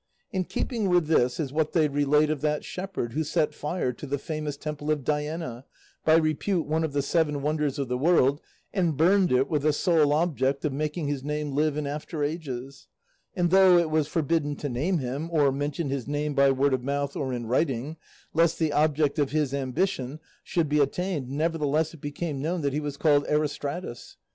In keeping with this is what they relate of that shepherd who set fire to the famous temple of Diana, by repute one of the seven wonders of the world, and burned it with the sole object of making his name live in after ages; and, though it was forbidden to name him, or mention his name by word of mouth or in writing, lest the object of his ambition should be attained, nevertheless it became known that he was called Erostratus.